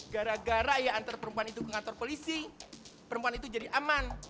gara gara ya antar perempuan itu ke ngatur polisi perempuan itu jadi aman